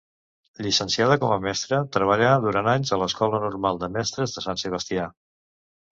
Llicenciada com a mestra, treballà durant anys a l'Escola Normal de Mestres de Sant Sebastià.